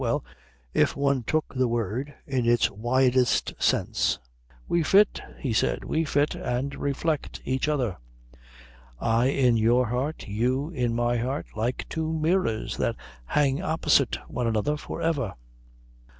Well, if one took the word in its widest sense. "We fit," he said. "We fit, and reflect each other. I in your heart, you in my heart, like two mirrors that hang opposite one another for ever."